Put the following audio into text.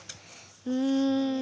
うん。